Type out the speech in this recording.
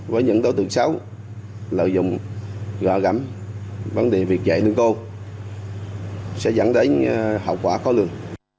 với những đối tượng xấu lợi dụng gõ gắm vấn đề việc dạy lương cô sẽ dẫn đến hậu quả khó lương